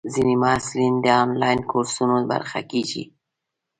ځینې محصلین د انلاین کورسونو برخه کېږي.